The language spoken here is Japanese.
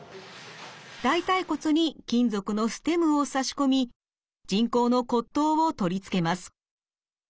大腿骨に金属のステムを差し込み人工の骨頭を取り付けます。